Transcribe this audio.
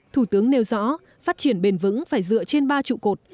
thủ tướng nêu rõ phát triển bền vững phải dựa trên ba trụ cột